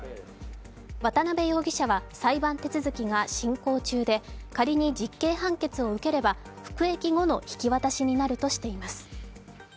渡辺容疑者は裁判手続きが進行中で仮に実刑判決を受ければ服役後の引き渡しになるとしています。